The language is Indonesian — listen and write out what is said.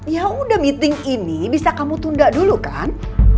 yaudah meeting ini bisa kamu tunda dulu kan